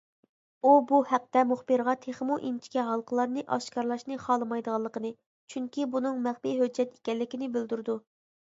ئۇ بۇ ھەقتە مۇخبىرغا تېخىمۇ ئىنچىكە ھالقىلارنى ئاشكارىلاشنى خالىمايدىغانلىقىنى، چۈنكى بۇنىڭ مەخپىي ھۆججەت ئىكەنلىكىنى بىلدۈرىدۇ.